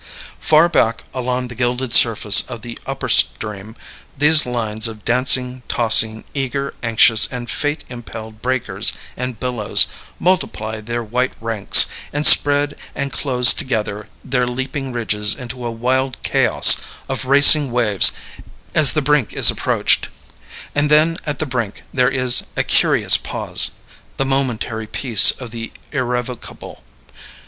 Far back along the gilded surface of the upper stream, these lines of dancing, tossing, eager, anxious, and fate impelled breakers and billows multiply their white ranks, and spread and close together their leaping ridges into a wild chaos of racing waves as the brink is approached. And then, at the brink, there is a curious pause the momentary peace of the irrevocable.